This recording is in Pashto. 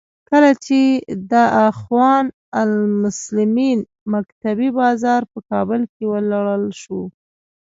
کله چې د اخوان المسلمین مکتبې بازار په کابل کې ولړل شو.